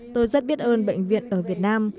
tôi rất biết ơn bệnh viện ở việt nam